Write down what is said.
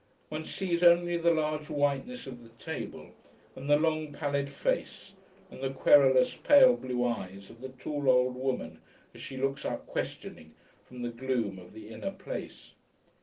One sees only the large whiteness of the table, and the long pallid face and the querulous pale blue eye of the tall old woman as she looks up questioning from the gloom of the inner place.